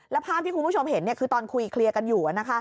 แล้วภาพที่คุณผู้ชมเห็นคือตอนคุยเคลียร์กันอยู่